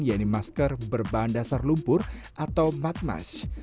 yaitu masker berbahan dasar lumpur atau mud mask